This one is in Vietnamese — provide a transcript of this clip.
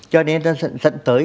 cho nên nó dẫn tới